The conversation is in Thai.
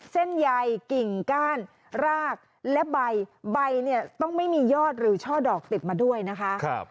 เส้นใยกิ่งก้านรากและใบใบเนี่ยต้องไม่มียอดหรือช่อดอกติดมาด้วยนะคะ